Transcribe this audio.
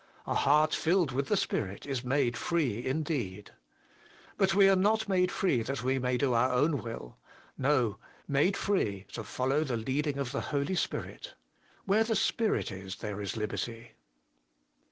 A heart filled with the Spirit is made free indeed. But we are not made free that we may do our own will. No, made free to follow the leading of the Holy Spirit. ' Where the Spirit is, there is liberty.'